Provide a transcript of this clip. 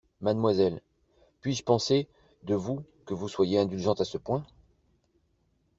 Mademoiselle, puis-je penser de vous que vous soyez indulgente à ce point?